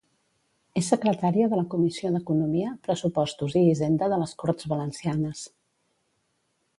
És secretària de la Comissió d'Economia, Pressupostos i Hisenda de les Corts Valencianes.